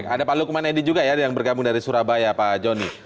ada pak lukman edi juga ya yang bergabung dari surabaya pak joni